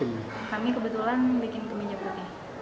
kami kebetulan bikin kemija putih